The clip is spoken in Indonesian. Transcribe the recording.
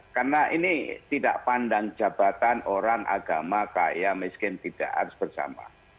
karena ini tidak pandang jabatan orang agama kaya miskin tidak harus bersama